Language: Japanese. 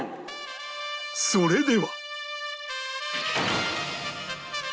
それでは